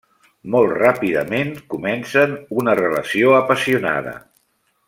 Molt ràpidament, comencen una relació apassionada.